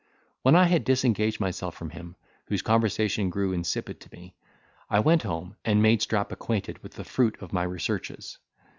When I had disengaged myself from him, whose conversation grew insipid to me, I went home, and made Strap acquainted with the fruit of my researches.